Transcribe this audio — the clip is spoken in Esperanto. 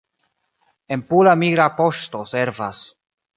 En Pula migra poŝto servas.